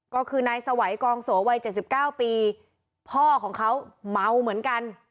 ก็คือในสหวัยกองโสวัยเจ็ดสิบเก้าปีพ่อของเขาเม้าเหมือนกัน